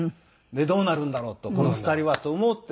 どうなるんだろうとこの２人はと思って。